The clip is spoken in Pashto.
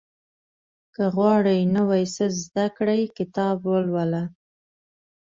• که غواړې نوی څه زده کړې، کتاب ولوله.